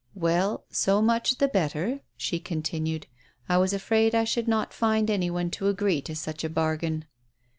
" Well, so much the better," she continued. " I was afraid I should not find any one to agree to such a bargain."